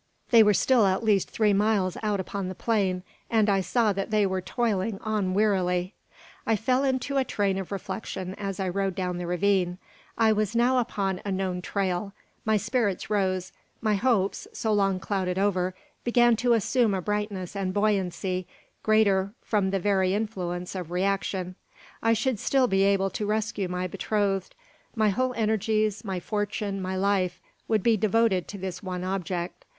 They were still at least three miles out upon the plain, and I saw that they were toiling on wearily. I fell into a train of reflection as I rode down the ravine. I was now upon a known trail. My spirits rose; my hopes, so long clouded over, began to assume a brightness and buoyancy, greater from the very influence of reaction. I should still be able to rescue my betrothed. My whole energies, my fortune, my life, would be devoted to this one object.